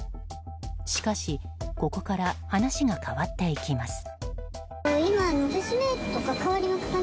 しかし、ここから話が変わっていきます。